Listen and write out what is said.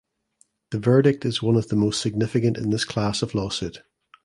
The verdict is one of the most significant in this class of lawsuit